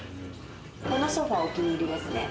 このソファお気に入りですね。